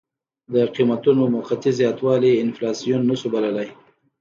د قیمتونو موقتي زیاتوالی انفلاسیون نه شو بللی.